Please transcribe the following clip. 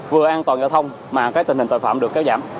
vừa an toàn giao thông mà cái tình hình tội phạm được kéo giảm